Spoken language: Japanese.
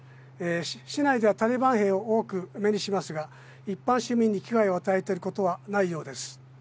市内ではタリバン兵を多く目にしますが一般市民に危害を与えていることはないようです。